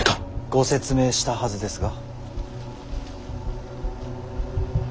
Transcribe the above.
ご説明したはずですが。